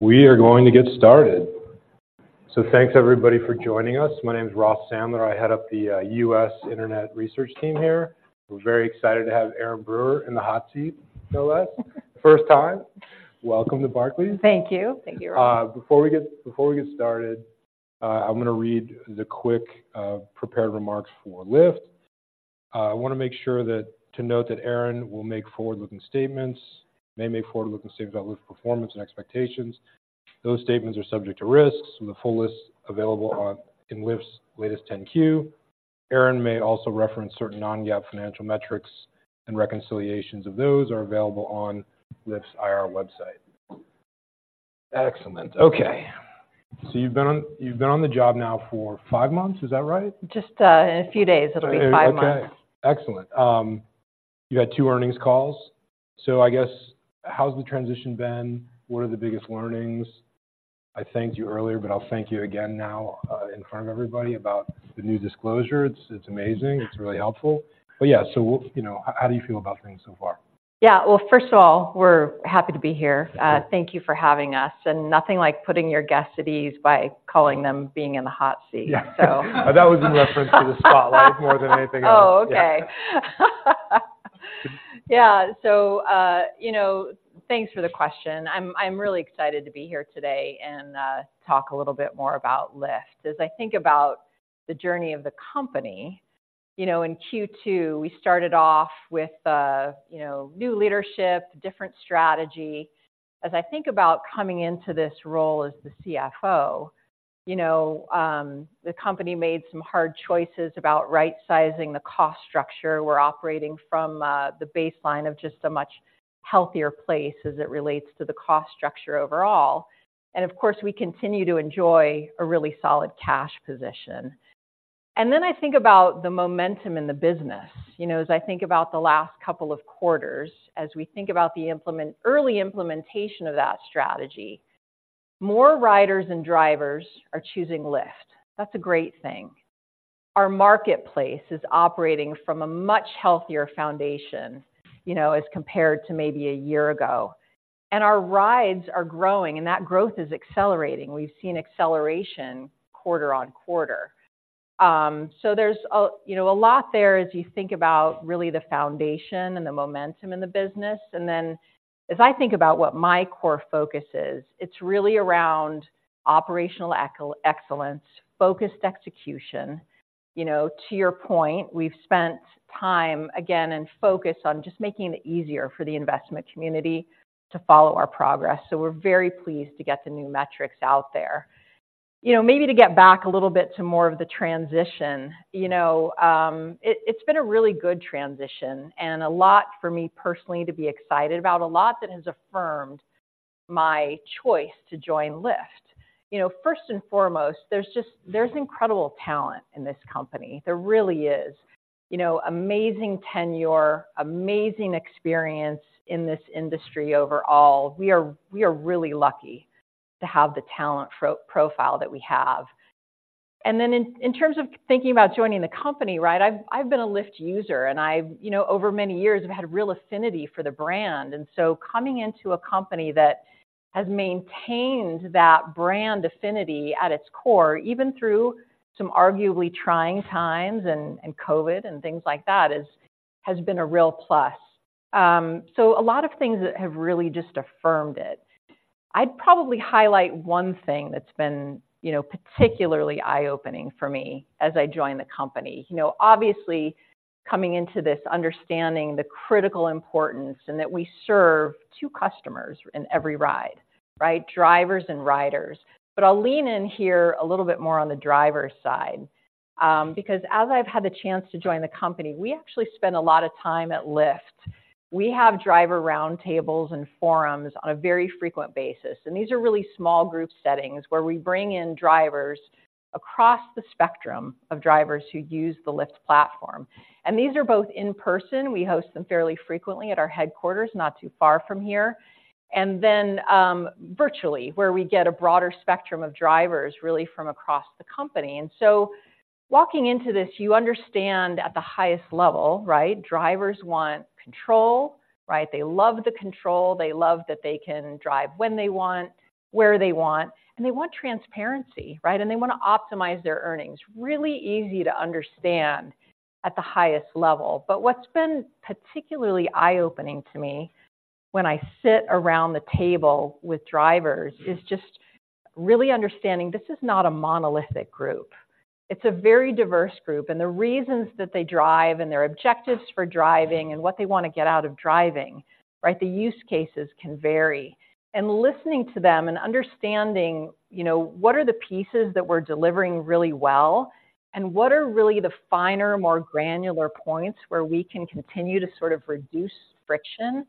We are going to get started. So thanks everybody for joining us. My name is Ross Sandler. I head up the U.S. Internet Research team here. We're very excited to have Erin Brewer in the hot seat, no less. First time. Welcome to Barclays. Thank you. Thank you, Ross. Before we get started, I'm gonna read the quick prepared remarks for Lyft. I wanna make sure that to note that Erin will make forward-looking statements, may make forward-looking statements about Lyft's performance and expectations. Those statements are subject to risks, and the full list available in Lyft's latest 10-Q. Erin may also reference certain non-GAAP financial metrics, and reconciliations of those are available on Lyft's IR website. Excellent. Okay, so you've been on the job now for five months, is that right? Just, in a few days, it'll be five months. Okay, excellent. You had two earnings calls, so I guess, how's the transition been? What are the biggest learnings? I thanked you earlier, but I'll thank you again now, in front of everybody about the new disclosure. It's, it's amazing. It's really helpful. But yeah, so, you know, how do you feel about things so far? Yeah. Well, first of all, we're happy to be here. Thank you. Thank you for having us, and nothing like putting your guests at ease by calling them being in the hot seat. Yeah. That was in reference to the spotlight more than anything else. Oh, okay. Yeah. Yeah. So, you know, thanks for the question. I'm really excited to be here today and talk a little bit more about Lyft. As I think about the journey of the company, you know, in Q2, we started off with you know, new leadership, different strategy. As I think about coming into this role as the CFO, you know, the company made some hard choices about right-sizing the cost structure. We're operating from the baseline of just a much healthier place as it relates to the cost structure overall. And of course, we continue to enjoy a really solid cash position. And then I think about the momentum in the business. You know, as I think about the last couple of quarters, as we think about the early implementation of that strategy, more riders and drivers are choosing Lyft. That's a great thing. Our marketplace is operating from a much healthier foundation, you know, as compared to maybe a year ago. And our rides are growing, and that growth is accelerating. We've seen acceleration quarter-over-quarter. So there's a, you know, a lot there as you think about really the foundation and the momentum in the business. And then, as I think about what my core focus is, it's really around operational excellence, focused execution. You know, to your point, we've spent time, again, and focus on just making it easier for the investment community to follow our progress, so we're very pleased to get the new metrics out there. You know, maybe to get back a little bit to more of the transition, you know, it's been a really good transition and a lot for me personally to be excited about, a lot that has affirmed my choice to join Lyft. You know, first and foremost, there's incredible talent in this company. There really is. You know, amazing tenure, amazing experience in this industry overall. We are really lucky to have the talent profile that we have. And then in terms of thinking about joining the company, right? I've been a Lyft user, and I've, you know, over many years, I've had a real affinity for the brand. And so coming into a company that has maintained that brand affinity at its core, even through some arguably trying times and COVID and things like that, has been a real plus. So a lot of things that have really just affirmed it. I'd probably highlight one thing that's been, you know, particularly eye-opening for me as I joined the company. You know, obviously, coming into this, understanding the critical importance and that we serve two customers in every ride, right? Drivers and riders. But I'll lean in here a little bit more on the driver side, because as I've had the chance to join the company, we actually spend a lot of time at Lyft. We have driver roundtables and forums on a very frequent basis, and these are really small group settings where we bring in drivers across the spectrum of drivers who use the Lyft platform. And these are both in person; we host them fairly frequently at our headquarters, not too far from here. And then, virtually, where we get a broader spectrum of drivers, really from across the company. And so walking into this, you understand at the highest level, right? Drivers want control, right? They love the control. They love that they can drive when they want, where they want, and they want transparency, right? And they want to optimize their earnings. Really easy to understand at the highest level. But what's been particularly eye-opening to me when I sit around the table with drivers is just really understanding this is not a monolithic group. It's a very diverse group, and the reasons that they drive and their objectives for driving and what they want to get out of driving, right, the use cases can vary. And listening to them and understanding, you know, what are the pieces that we're delivering really well? And what are really the finer, more granular points where we can continue to sort of reduce friction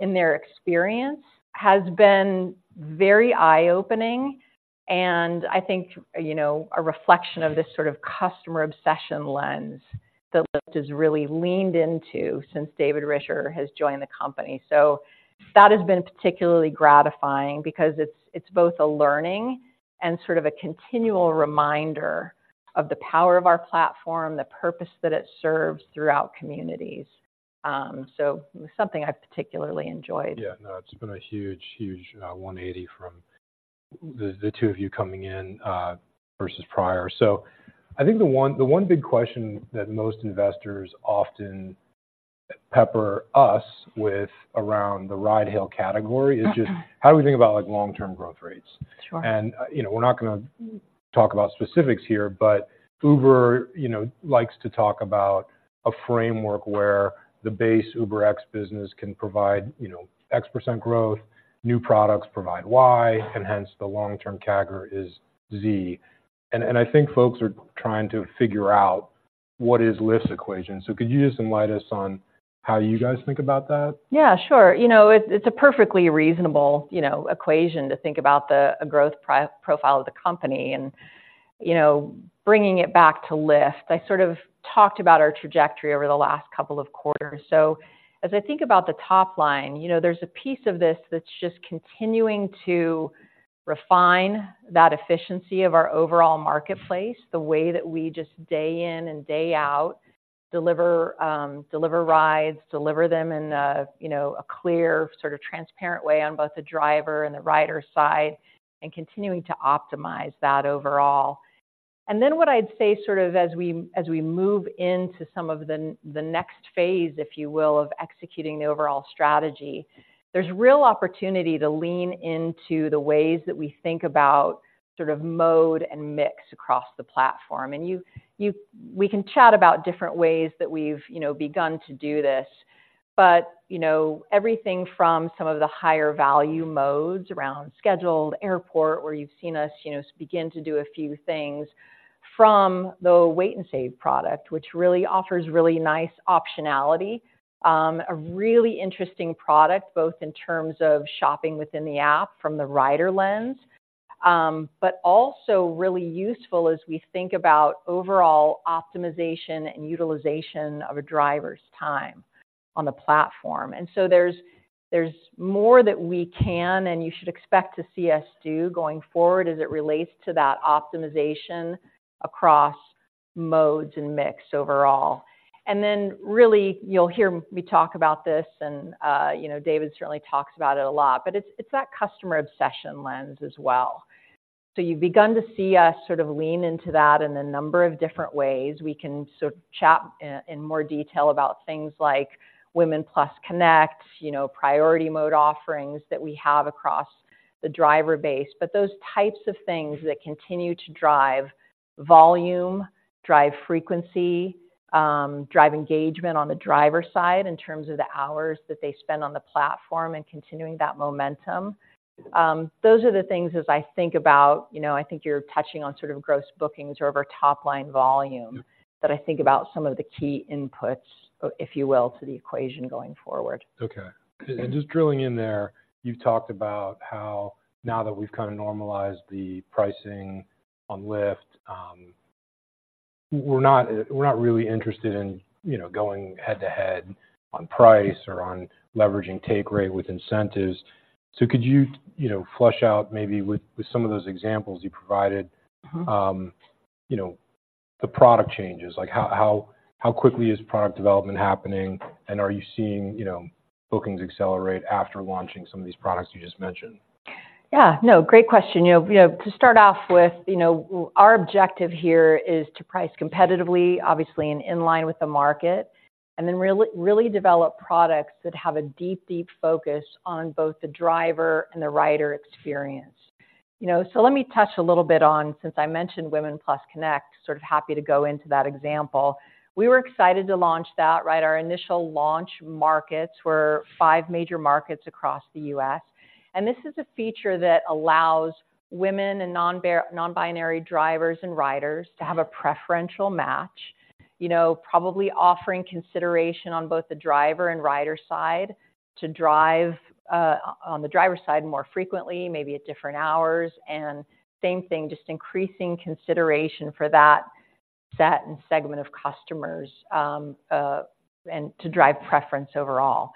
in their experience? Has been very eye-opening, and I think, you know, a reflection of this sort of customer obsession lens that Lyft has really leaned into since David Risher has joined the company. So that has been particularly gratifying because it's, it's both a learning and sort of a continual reminder of the power of our platform, the purpose that it serves throughout communities.... So it was something I've particularly enjoyed. Yeah, no, it's been a huge, huge 180 from the two of you coming in versus prior. So I think the one big question that most investors often pepper us with around the ride-hail category- Mm-hmm. is just how do we think about, like, long-term growth rates? Sure. And, you know, we're not gonna talk about specifics here, but Uber, you know, likes to talk about a framework where the base UberX business can provide, you know, X% growth, new products provide Y, and hence the long-term CAGR is Z. And I think folks are trying to figure out what is Lyft's equation. So could you just enlighten us on how you guys think about that? Yeah, sure. You know, it's a perfectly reasonable, you know, equation to think about a growth profile of the company. And, you know, bringing it back to Lyft, I sort of talked about our trajectory over the last couple of quarters. So as I think about the top line, you know, there's a piece of this that's just continuing to refine that efficiency of our overall marketplace, the way that we just day in and day out, deliver, deliver rides, deliver them in a, you know, a clear, sort of transparent way on both the driver and the rider side, and continuing to optimize that overall. And then what I'd say, sort of as we move into some of the next phase, if you will, of executing the overall strategy, there's real opportunity to lean into the ways that we think about sort of mode and mix across the platform. And you, we can chat about different ways that we've, you know, begun to do this, but, you know, everything from some of the higher value modes around scheduled, airport, where you've seen us, you know, begin to do a few things. From the Wait & Save product, which really offers really nice optionality. A really interesting product, both in terms of shopping within the app from the rider lens, but also really useful as we think about overall optimization and utilization of a driver's time on the platform. And so there's more that we can, and you should expect to see us do going forward as it relates to that optimization across modes and mix overall. And then, really, you'll hear me talk about this, and you know, David certainly talks about it a lot, but it's that customer obsession lens as well. So you've begun to see us sort of lean into that in a number of different ways. We can sort of chat in more detail about things like Women+ Connect, you know, Priority Mode offerings that we have across the driver base. But those types of things that continue to drive volume, drive frequency, drive engagement on the driver side in terms of the hours that they spend on the platform and continuing that momentum. Those are the things, as I think about, you know, I think you're touching on sort of Gross Bookings or of our top-line volume- Yeah. that I think about some of the key inputs, if you will, to the equation going forward. Okay. And just drilling in there, you've talked about how now that we've kind of normalized the pricing on Lyft, we're not, we're not really interested in, you know, going head-to-head on price or on leveraging Take Rate with incentives. So could you, you know, flesh out maybe with some of those examples you provided? Mm-hmm.... you know, the product changes? Like, how quickly is product development happening, and are you seeing, you know, bookings accelerate after launching some of these products you just mentioned? Yeah. No, great question. You know, you know, to start off with, you know, our objective here is to price competitively, obviously, and in line with the market, and then really, really develop products that have a deep, deep focus on both the driver and the rider experience. You know, so let me touch a little bit on, since I mentioned Women+ Connect, sort of happy to go into that example. We were excited to launch that, right? Our initial launch markets were five major markets across the U.S. And this is a feature that allows women and nonbinary drivers and riders to have a preferential match. You know, probably offering consideration on both the driver and rider side to drive on the driver's side more frequently, maybe at different hours, and same thing, just increasing consideration for that set and segment of customers, and to drive preference overall.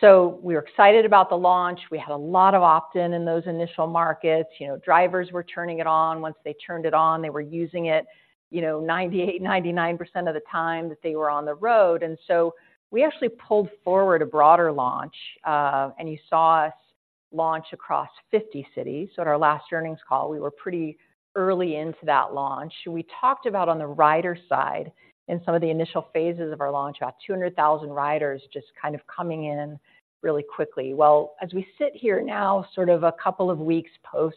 So we were excited about the launch. We had a lot of opt-in in those initial markets. You know, drivers were turning it on. Once they turned it on, they were using it, you know, 98%-99% of the time that they were on the road. And so we actually pulled forward a broader launch, and you saw us launch across 50 cities. So at our last earnings call, we were pretty early into that launch. We talked about on the rider side, in some of the initial phases of our launch, about 200,000 riders just kind of coming in really quickly. Well, as we sit here now, sort of a couple of weeks post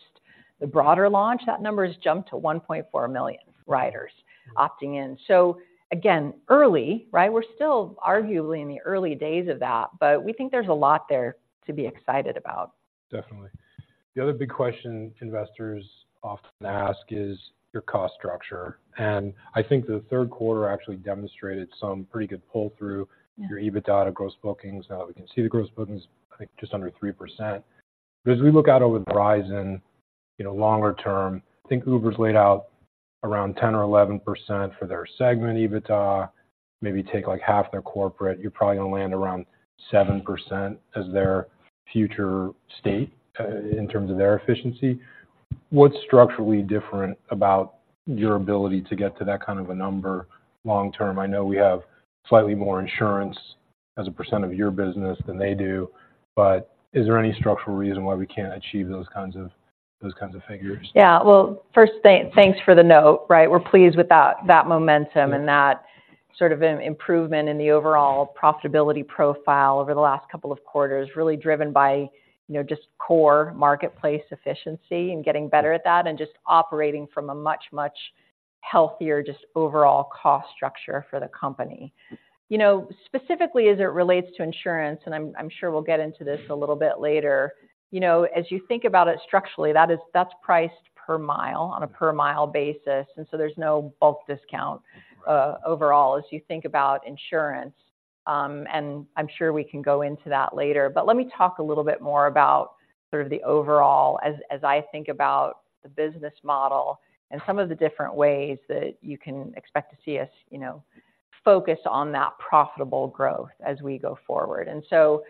the broader launch, that number has jumped to 1.4 million riders opting in. So again, early, right? We're still arguably in the early days of that, but we think there's a lot there to be excited about. Definitely. The other big question investors often ask is your cost structure, and I think the third quarter actually demonstrated some pretty good pull-through- Yeah. Your EBITDA to gross bookings. Now that we can see the gross bookings, I think just under 3%. But as we look out over the horizon, you know, longer term, I think Uber's laid out around 10% or 11% for their segment EBITDA, maybe take, like, half their corporate, you're probably going to land around 7% as their future state, in terms of their efficiency. What's structurally different about your ability to get to that kind of a number long term? I know we have slightly more insurance as a percent of your business than they do, but is there any structural reason why we can't achieve those kinds of, those kinds of figures? Yeah. Well, first, thanks for the note, right? We're pleased with that momentum- Yeah. and that sort of an improvement in the overall profitability profile over the last couple of quarters, really driven by, you know, just core marketplace efficiency and getting better at that, and just operating from a much, much healthier, just overall cost structure for the company. You know, specifically as it relates to insurance, and I'm, I'm sure we'll get into this a little bit later, you know, as you think about it structurally, that is- that's priced per mile, on a per mile basis, and so there's no bulk discount- Right. Overall as you think about insurance. And I'm sure we can go into that later. But let me talk a little bit more about sort of the overall as I think about the business model and some of the different ways that you can expect to see us, you know, focus on that profitable growth as we go forward. And so,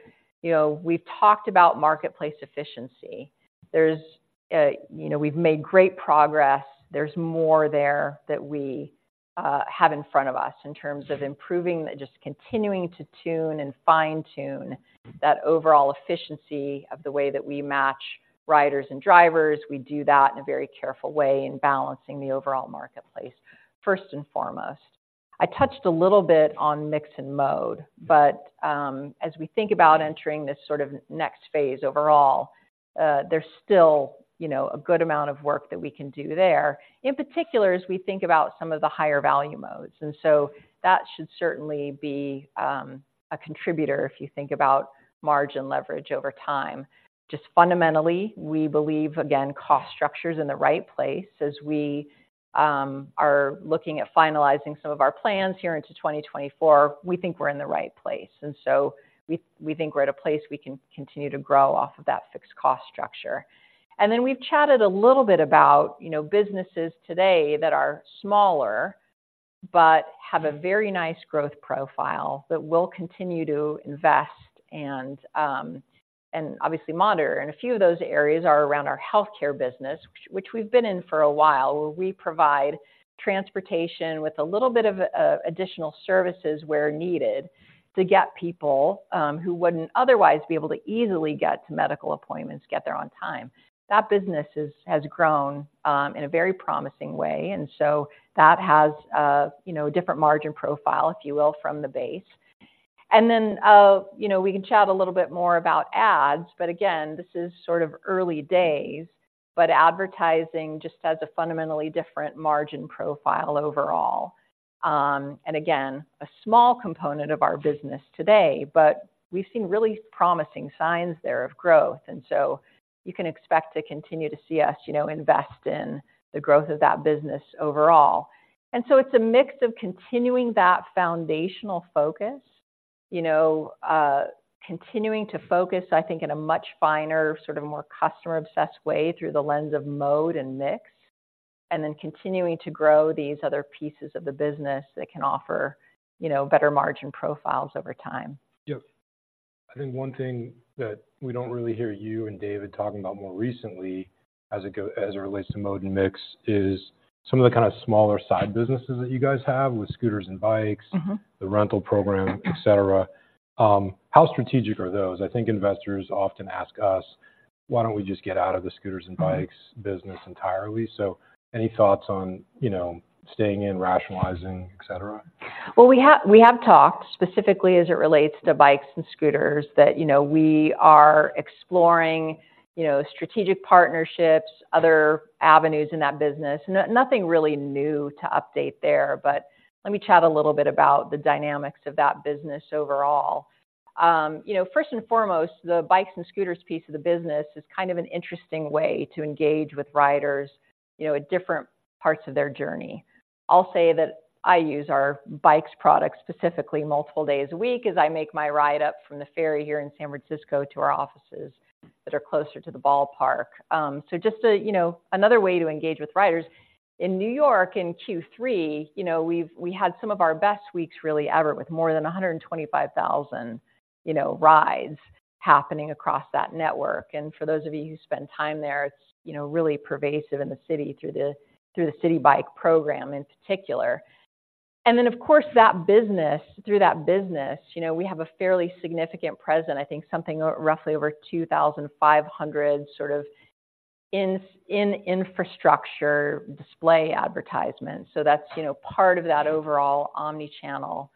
you know, we've talked about marketplace efficiency. There's, you know, we've made great progress. There's more there that we have in front of us in terms of improving and just continuing to tune and fine-tune that overall efficiency of the way that we match riders and drivers. We do that in a very careful way in balancing the overall marketplace, first and foremost. I touched a little bit on mix and mode, but, as we think about entering this sort of next phase overall, there's still, you know, a good amount of work that we can do there. In particular, as we think about some of the higher value modes, and so that should certainly be a contributor if you think about margin leverage over time. Just fundamentally, we believe, again, cost structure is in the right place. As we are looking at finalizing some of our plans here into 2024, we think we're in the right place, and so we, we think we're at a place we can continue to grow off of that fixed cost structure. And then we've chatted a little bit about, you know, businesses today that are smaller, but have a very nice growth profile that we'll continue to invest and, and obviously monitor. And a few of those areas are around our healthcare business, which we've been in for a while, where we provide transportation with a little bit of additional services where needed, to get people who wouldn't otherwise be able to easily get to medical appointments, get there on time. That business has grown in a very promising way, and so that has a, you know, different margin profile, if you will, from the base. And then, you know, we can chat a little bit more about ads, but again, this is sort of early days, but advertising just has a fundamentally different margin profile overall. And again, a small component of our business today, but we've seen really promising signs there of growth, and so you can expect to continue to see us, you know, invest in the growth of that business overall. And so it's a mix of continuing that foundational focus, you know, continuing to focus, I think, in a much finer, sort of more customer-obsessed way through the lens of mode and mix, and then continuing to grow these other pieces of the business that can offer, you know, better margin profiles over time. Yeah. I think one thing that we don't really hear you and David talking about more recently, as it relates to mode and mix, is some of the kind of smaller side businesses that you guys have with scooters and bikes- Mm-hmm.... the rental program, et cetera. How strategic are those? I think investors often ask us, why don't we just get out of the scooters and bikes business entirely? So any thoughts on, you know, staying in, rationalizing, et cetera? Well, we have talked, specifically as it relates to bikes and scooters, that, you know, we are exploring, you know, strategic partnerships, other avenues in that business. Nothing really new to update there, but let me chat a little bit about the dynamics of that business overall. You know, first and foremost, the bikes and scooters piece of the business is kind of an interesting way to engage with riders, you know, at different parts of their journey. I'll say that I use our bikes product specifically multiple days a week as I make my ride up from the ferry here in San Francisco to our offices that are closer to the ballpark. So just to, you know, another way to engage with riders. In New York, in Q3, you know, we've had some of our best weeks really ever, with more than 125,000, you know, rides happening across that network. And for those of you who spend time there, it's, you know, really pervasive in the city through the Citi Bike program in particular. And then, of course, that business, through that business, you know, we have a fairly significant presence. I think something roughly over 2,500, sort of, infrastructure display advertisements. So that's, you know, part of that overall omni-channel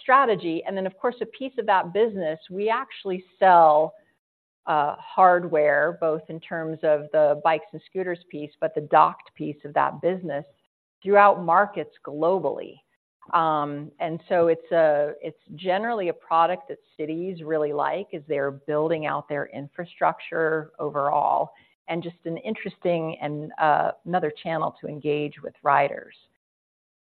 strategy. And then, of course, a piece of that business, we actually sell hardware, both in terms of the bikes and scooters piece, but the docked piece of that business, throughout markets globally. It's generally a product that cities really like as they're building out their infrastructure overall, and just an interesting and another channel to engage with riders.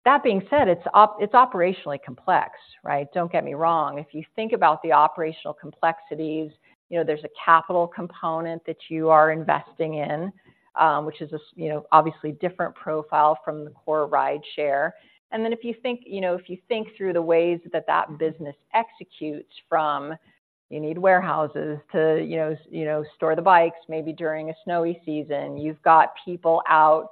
That being said, it's operationally complex, right? Don't get me wrong. If you think about the operational complexities, you know, there's a capital component that you are investing in, which is, you know, obviously different profile from the core rideshare. And then if you think through the ways that that business executes, you need warehouses to, you know, store the bikes, maybe during a snowy season, you've got people out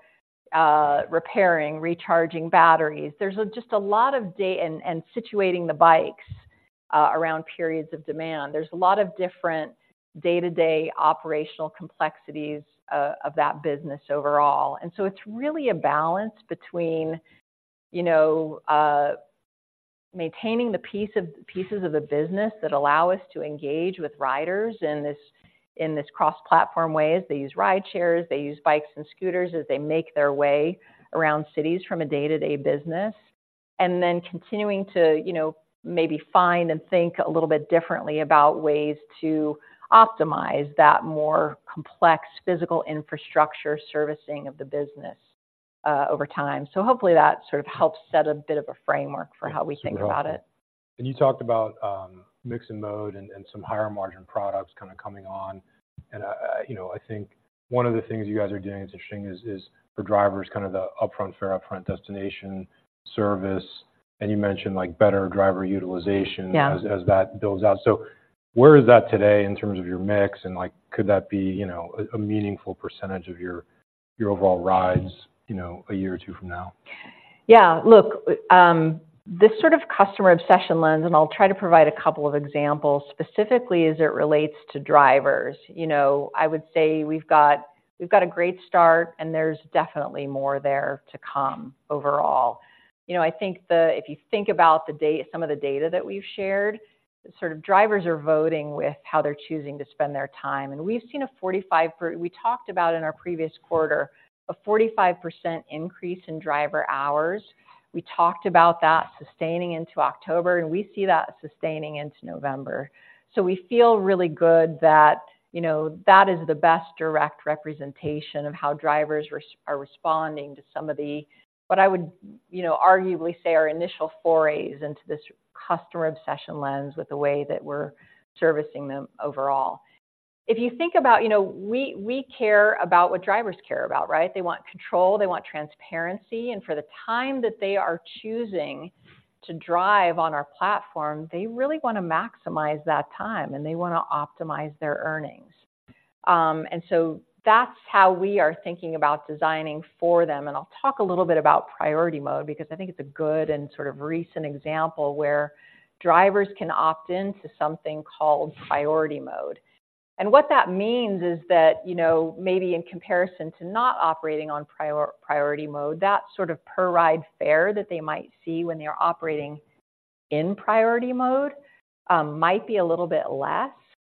repairing, recharging batteries. There's just a lot of day-to-day and situating the bikes around periods of demand. There's a lot of different day-to-day operational complexities of that business overall. And so it's really a balance between, you know, maintaining the pieces of the business that allow us to engage with riders in this, in this cross-platform ways. They use rideshares, they use bikes and scooters as they make their way around cities from a day-to-day business. And then continuing to, you know, maybe find and think a little bit differently about ways to optimize that more complex physical infrastructure servicing of the business, over time. So hopefully that sort of helps set a bit of a framework for how we think about it. And you talked about mix and mode and some higher margin products kind of coming on. And you know, I think one of the things you guys are doing that's interesting is for drivers kind of the upfront fare, upfront destination service, and you mentioned, like, better driver utilization- Yeah.... as that builds out. So where is that today in terms of your mix, and like, could that be, you know, a meaningful percentage of your overall rides, you know, a year or two from now? Yeah. Look, this sort of customer obsession lens, and I'll try to provide a couple of examples, specifically as it relates to drivers. You know, I would say we've got, we've got a great start, and there's definitely more there to come overall. You know, I think if you think about some of the data that we've shared, sort of drivers are voting with how they're choosing to spend their time, and we've seen a 45%, we talked about in our previous quarter, a 45% increase in driver hours. We talked about that sustaining into October, and we see that sustaining into November. So we feel really good that, you know, that is the best direct representation of how drivers are responding to some of the... What I would, you know, arguably say, our initial forays into this customer obsession lens with the way that we're servicing them overall. If you think about you know, we care about what drivers care about, right? They want control, they want transparency, and for the time that they are choosing to drive on our platform, they really wanna maximize that time, and they wanna optimize their earnings. And so that's how we are thinking about designing for them. And I'll talk a little bit about Priority Mode, because I think it's a good and sort of recent example where drivers can opt in to something called Priority Mode. And what that means is that, you know, maybe in comparison to not operating on Priority Mode, that sort of per ride fare that they might see when they're operating in Priority Mode, might be a little bit less,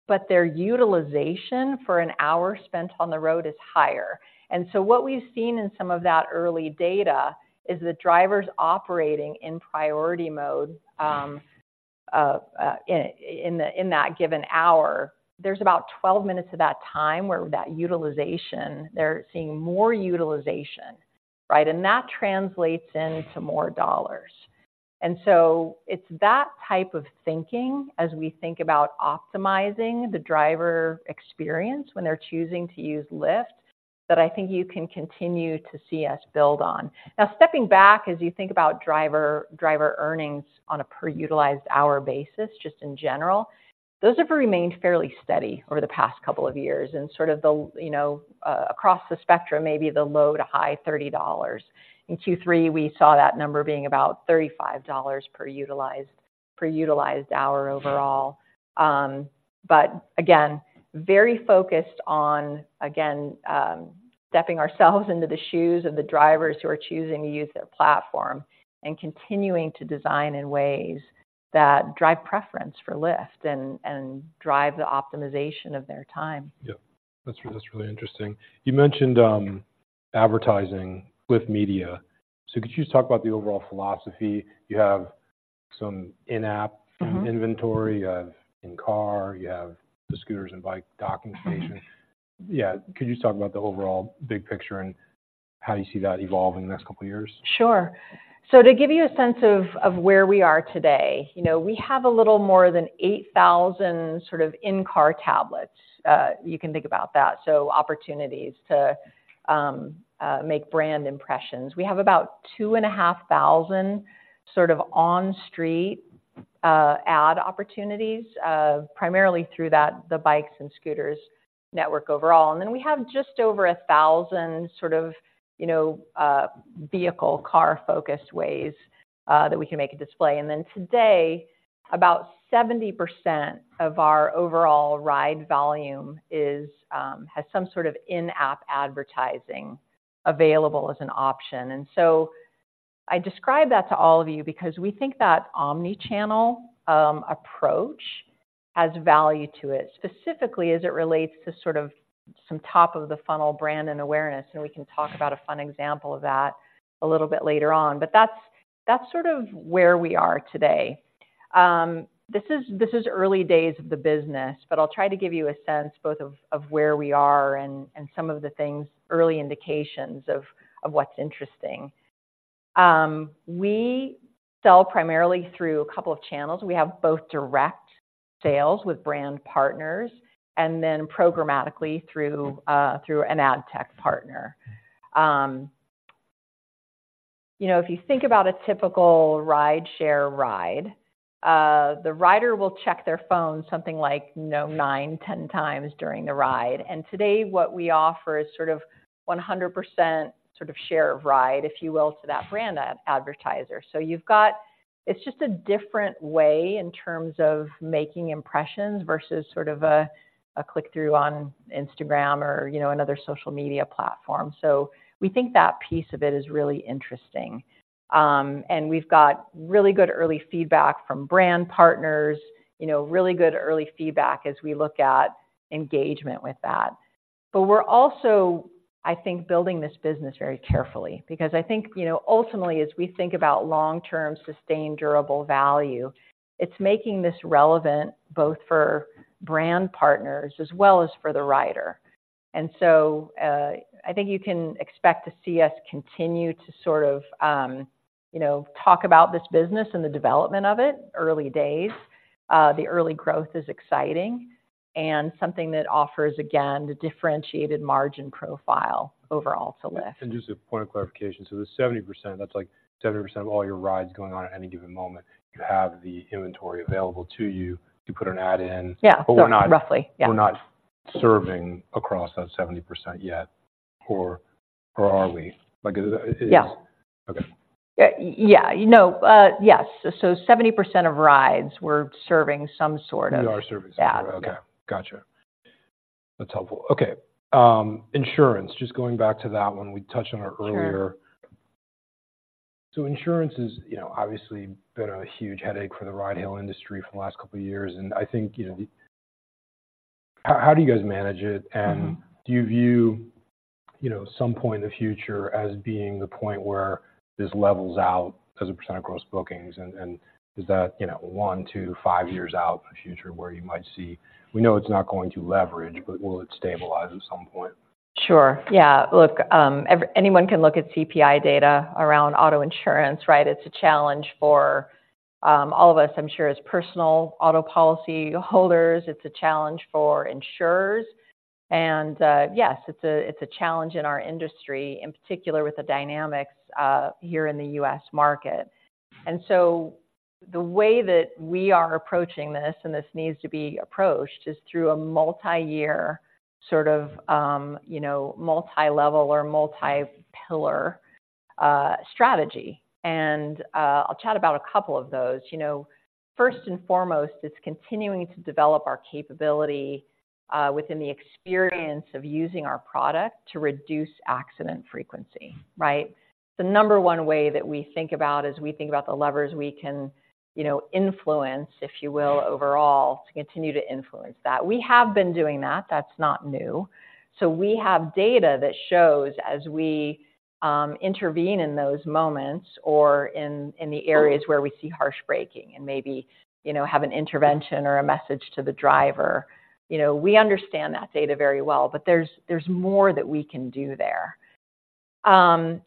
but their utilization for an hour spent on the road is higher. And so what we've seen in some of that early data is that drivers operating in Priority Mode, in that given hour, there's about 12 minutes of that time where that utilization, they're seeing more utilization, right? And that translates into more dollars. And so it's that type of thinking as we think about optimizing the driver experience when they're choosing to use Lyft, that I think you can continue to see us build on. Now, stepping back, as you think about driver, driver earnings on a per utilized hour basis, just in general, those have remained fairly steady over the past couple of years and sort of the, you know, across the spectrum, maybe the low to high $30s. In Q3, we saw that number being about $35 per utilized, per utilized hour overall. But again, very focused on, again, stepping ourselves into the shoes of the drivers who are choosing to use their platform and continuing to design in ways that drive preference for Lyft and, and drive the optimization of their time. Yeah, that's, that's really interesting. You mentioned advertising with media. So could you just talk about the overall philosophy? You have some in-app- Mm-hmm.... inventory, you have in-car, you have the scooters and bike docking station. Yeah, could you just talk about the overall big picture and how you see that evolving in the next couple of years? Sure. So to give you a sense of where we are today, you know, we have a little more than 8,000 sort of in-car tablets. You can think about that, so opportunities to make brand impressions. We have about 2,500 sort of on-street ad opportunities primarily through the bikes and scooters network overall. And then we have just over 1,000 sort of, you know, vehicle car-focused ways that we can make a display. And then today, about 70% of our overall ride volume is has some sort of in-app advertising available as an option. And so I describe that to all of you because we think that omni-channel approach has value to it, specifically as it relates to sort of some top of the funnel brand and awareness, and we can talk about a fun example of that a little bit later on. But that's, that's sort of where we are today. This is, this is early days of the business, but I'll try to give you a sense both of, of where we are and, and some of the things, early indications of, of what's interesting. We sell primarily through a couple of channels. We have both direct sales with brand partners and then programmatically through, through an ad tech partner. You know, if you think about a typical rideshare ride, the rider will check their phone something like, you know, 9x, 10x during the ride. Today, what we offer is sort of 100% sort of share of ride, if you will, to that brand ad advertiser. So you've got. It's just a different way in terms of making impressions versus sort of a click-through on Instagram or, you know, another social media platform. So we think that piece of it is really interesting. And we've got really good early feedback from brand partners, you know, really good early feedback as we look at engagement with that. But we're also, I think, building this business very carefully because I think, you know, ultimately, as we think about long-term, sustained, durable value, it's making this relevant both for brand partners as well as for the rider. And so, I think you can expect to see us continue to sort of, you know, talk about this business and the development of it. Early days. The early growth is exciting and something that offers, again, the differentiated margin profile overall to Lyft. And just a point of clarification. So the 70%, that's like 70% of all your rides going on at any given moment, you have the inventory available to you to put an ad in? Yeah. But we're not- Roughly, yeah. We're not serving across that 70% yet, or are we? Like, is it- Yeah. Okay. Yeah. You know, yes. So 70% of rides, we're serving some sort of- We are serving some. Yeah. Okay, gotcha. That's helpful. Okay, insurance, just going back to that one we touched on earlier. Sure. Insurance is, you know, obviously been a huge headache for the ride-hail industry for the last couple of years, and I think, you know... How, how do you guys manage it? Mm-hmm. Do you view, you know, some point in the future as being the point where this levels out as a % of gross bookings? And is that, you know, 1-5 years out in the future where you might see, we know it's not going to leverage, but will it stabilize at some point? Sure. Yeah, look, everyone can look at CPI data around auto insurance, right? It's a challenge for all of us, I'm sure, as personal auto policy holders. It's a challenge for insurers, and yes, it's a challenge in our industry, in particular with the dynamics here in the U.S. market. And so the way that we are approaching this, and this needs to be approached, is through a multi-year sort of, you know, multi-level or multi-pillar strategy. And I'll chat about a couple of those. You know, first and foremost, it's continuing to develop our capability within the experience of using our product to reduce accident frequency, right? The number one way that we think about as we think about the levers we can, you know, influence, if you will, overall, to continue to influence that. We have been doing that. That's not new. So we have data that shows as we intervene in those moments or in the areas where we see harsh braking and maybe, you know, have an intervention or a message to the driver, you know, we understand that data very well, but there's more that we can do there.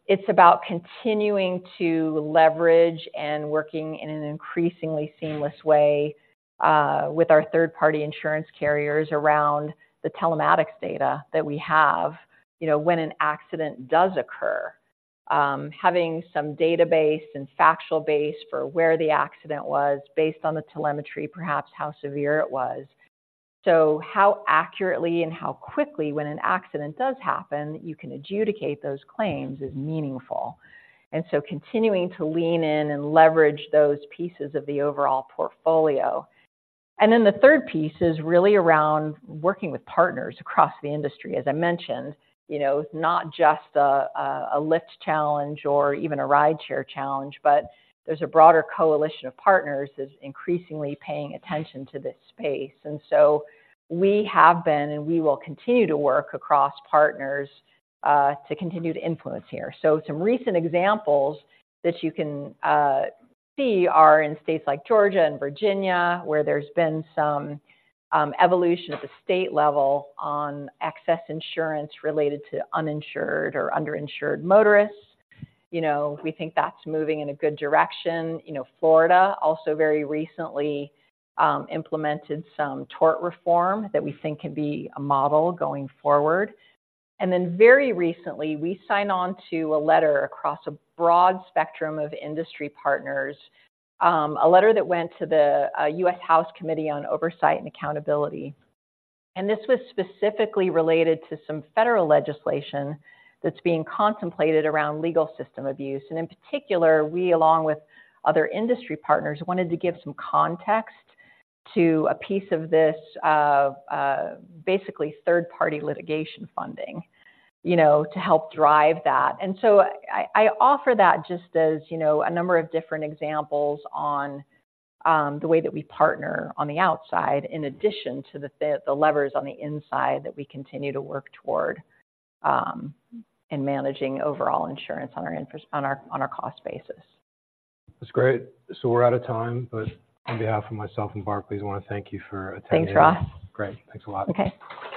It's about continuing to leverage and working in an increasingly seamless way with our third-party insurance carriers around the telematics data that we have. You know, when an accident does occur, having some database and factual base for where the accident was, based on the telemetry, perhaps how severe it was. So how accurately and how quickly, when an accident does happen, you can adjudicate those claims is meaningful. And so continuing to lean in and leverage those pieces of the overall portfolio. And then the third piece is really around working with partners across the industry. As I mentioned, you know, it's not just a, a Lyft challenge or even a rideshare challenge, but there's a broader coalition of partners that's increasingly paying attention to this space. And so we have been, and we will continue to work across partners, to continue to influence here. So some recent examples that you can see are in states like Georgia and Virginia, where there's been some evolution at the state level on excess insurance related to uninsured or underinsured motorists. You know, we think that's moving in a good direction. You know, Florida also very recently implemented some tort reform that we think could be a model going forward. And then very recently, we signed on to a letter across a broad spectrum of industry partners, a letter that went to the US House Committee on Oversight and Accountability. And this was specifically related to some federal legislation that's being contemplated around legal system abuse, and in particular, we, along with other industry partners, wanted to give some context to a piece of this, basically, third-party litigation funding, you know, to help drive that. And so I offer that just as, you know, a number of different examples on the way that we partner on the outside, in addition to the levers on the inside that we continue to work toward in managing overall insurance on our cost basis. That's great. So we're out of time, but on behalf of myself and Barclays, I want to thank you for attending. Thanks, Ross. Great. Thanks a lot. Okay.